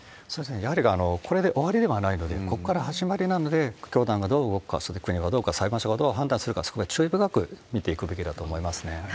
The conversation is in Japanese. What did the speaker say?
やはりこれで終わりではないので、ここから始まりなので、教団がどう動くか、それを国が、裁判所がどう判断するか、そこを注意深く見ていくべきだと思いますね。